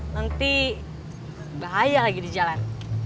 nanti bahaya lagi di jalan